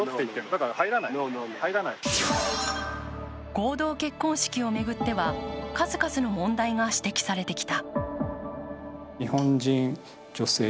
合同結婚式を巡っては数々の問題が指摘されてきた。